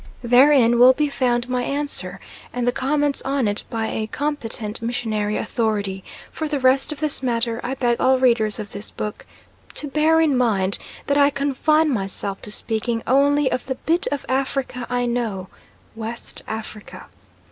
Therein will be found my answer, and the comments on it by a competent missionary authority; for the rest of this matter I beg all readers of this book to bear in mind that I confine myself to speaking only of the bit of Africa I know West Africa.